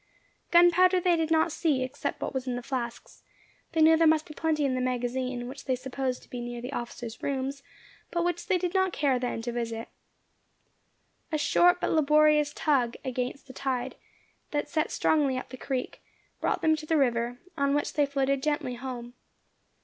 Gunpowder they did not see, except what was in the flasks; they knew there must be plenty in the magazine, which they supposed to be near the officers' rooms, but which they did not care then to visit. A short but laborious tug against the tide, that set strongly up the creek, brought them to the river, on which they floated gently home.